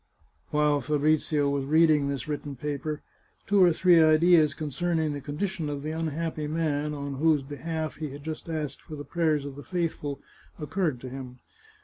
While Fabrizio was reading this written paper, two or three ideas concerning the condition of the unhappy man on whose behalf he had just asked for the prayers of the faith ful, occurred to him.